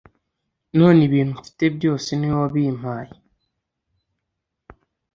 None ibintu mfite byose niwe wabimpaye